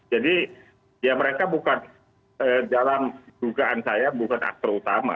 jadi ya mereka bukan dalam dugaan saya bukan akter utama